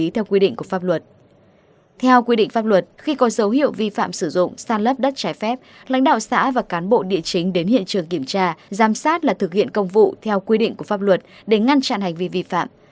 theo quy định pháp luật khi có dấu hiệu vi phạm sử dụng san lấp đất trái phép lãnh đạo xã và cán bộ địa chính đến hiện trường kiểm tra giám sát là thực hiện công vụ theo quy định của pháp luật để ngăn chặn hành vi vi phạm